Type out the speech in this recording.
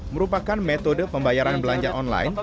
merupakan metode pembayaran belanja online